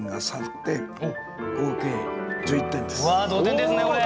同点ですねこれ。